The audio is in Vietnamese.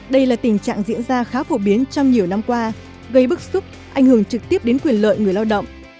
đây là tình trạng diễn ra khá phổ biến trong nhiều năm qua gây bức xúc ảnh hưởng trực tiếp đến quyền lợi người lao động